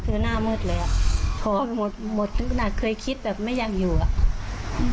คือหน้ามืดเลยอ่ะท้องหมดหมดถึงขนาดเคยคิดแบบไม่อยากอยู่อ่ะอืม